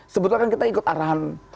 sebetulnya kan kita ikut arahan